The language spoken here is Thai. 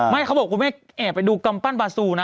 ไม่เขาบอกว่าผมไม่แอบไปดูกำปั้นบาซูนะ